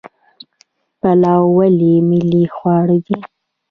پلاو ولې ملي خواړه دي؟